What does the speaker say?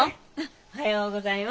おはようございます。